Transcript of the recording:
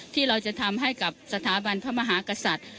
ที่เราจะทำให้กับสถาบันพระมหากษัตริย์